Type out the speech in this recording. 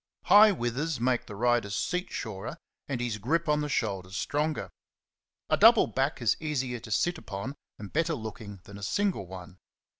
High withers make the rider's seat surer, and his grip on the shoulders stronger. A double back '^ is easier to sit upon, and better looking than a single one.